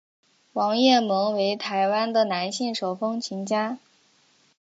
王雁盟为台湾的男性手风琴家。